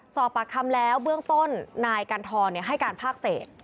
สอบปากคำแล้วเบื้องต้นนายกันทรให้การภาคเศษ